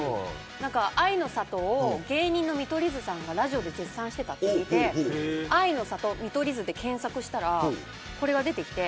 あいの里を芸人の見取り図さんがラジオで絶賛してたって聞いてあいの里、見取り図で検索したらこれが出てきて。